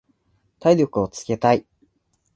体力をつけたい。